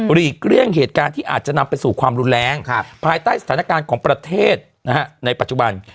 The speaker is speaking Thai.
หลีกเลี่ยงเหตุการณ์ที่อาจจะนำไปสู่ความรุนแรงภายใต้สถานการณ์ของประเทศในปัจจุบัน